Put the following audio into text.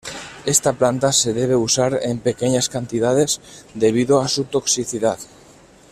Esta planta se debe usar en pequeñas cantidades debido a su toxicidad.